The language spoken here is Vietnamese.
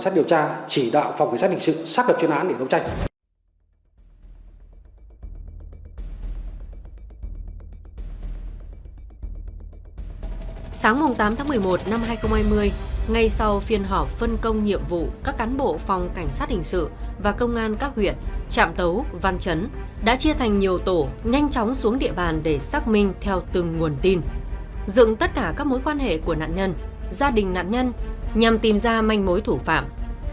sáng tám một mươi một hai nghìn hai mươi ngay sau phiên họp phân công nhiệm vụ các cán bộ phòng cảnh sát hình sự và công an các huyện trạm tấu văn chấn đã chia thành nhiều tổ nhanh chóng xuống địa bàn để xác minh theo từng nguồn tin dựng tất cả các mối quan hệ của nạn nhân gia đình nạn nhân nhằm tìm ra manh mối thủ phạm